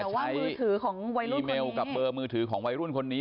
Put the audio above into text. ใช้อีเมลกับเบอร์มือถือของวัยรุ่นคนนี้